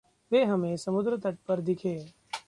वे हमें समुद्र तट पर दिखे।